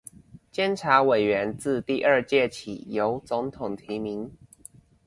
監察委員自第二屆起由總統提名